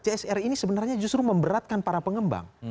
csr ini sebenarnya justru memberatkan para pengembang